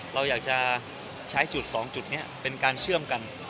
เราอยากจะใช้จุด๒จุดนี้เป็นการเชื่อมกัน